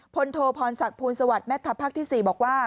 โทพรศักดิ์ภูลสวัสดิ์แม่ทัพภาคที่๔บอกว่า